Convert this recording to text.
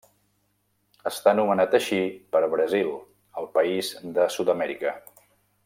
Està nomenat així per Brasil, el país de Sud-amèrica.